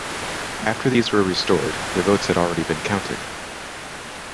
After these were restored, the votes had already been counted.